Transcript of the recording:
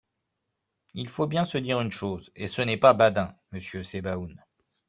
Il faut bien se dire une chose, et ce n’est pas badin, monsieur Sebaoun.